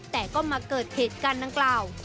แต่ก็มาเกิดเหตุการณ์ดังกล่าว